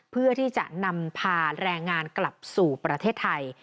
เพื่อที่จะนำพาแรงงานกลับสู่ประเทศไทย